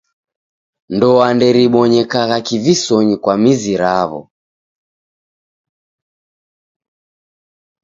Ndoa nderibonyekagha kivisonyi kwa mizi raw'o.